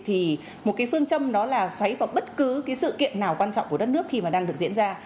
thì một cái phương châm đó là xoáy vào bất cứ cái sự kiện nào quan trọng của đất nước khi mà đang được diễn ra